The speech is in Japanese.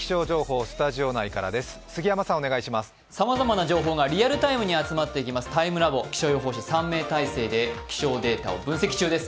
さまざまな情報がリアルタイムに集まってきますＴＩＭＥＬＡＢＯ、気象予報士３名体制で気象予報データを分析中です。